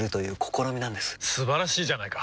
素晴らしいじゃないか！